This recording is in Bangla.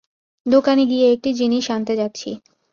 দোকানে গিয়ে একটা জিনিস আনতে যাচ্ছি।